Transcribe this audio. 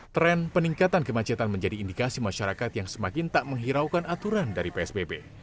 tren peningkatan kemacetan menjadi indikasi masyarakat yang semakin tak menghiraukan aturan dari psbb